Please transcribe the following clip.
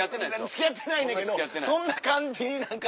付き合ってないねんけどそんな感じに何か。